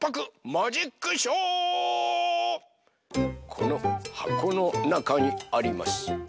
このはこのなかにあります